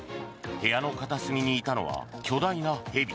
部屋の片隅にいたのは巨大な蛇。